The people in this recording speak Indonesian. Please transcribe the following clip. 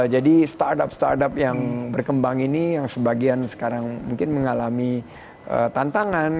jadi startup startup yang berkembang ini yang sebagian sekarang mungkin mengalami tantangan